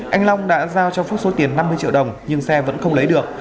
anh long đã giao cho phúc số tiền năm mươi triệu đồng nhưng xe vẫn không lấy được